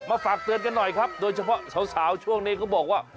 ฝากเตือนกันหน่อยครับโดยเฉพาะสาวช่วงนี้เขาบอกว่า